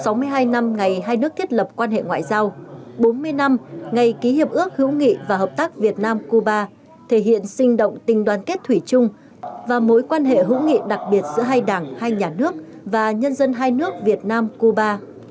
trong một mươi hai năm ngày hai nước thiết lập quan hệ ngoại giao bốn mươi năm ngày ký hiệp ước hữu nghị và hợp tác việt nam cuba thể hiện sinh động tình đoàn kết thủy chung và mối quan hệ hữu nghị đặc biệt giữa hai đảng hai nhà nước và nhân dân hai nước việt nam cuba